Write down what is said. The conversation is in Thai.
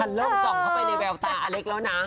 มันเริ่มส่องเข้าไปในแววตาอเล็กแล้วนะ